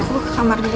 aku ke kamar dulu ya